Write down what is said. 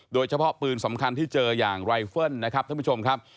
โดยเฉพาะปืนสำคัญที่เจออย่างไรเฟิลนะครับท่านผู้ชมครับ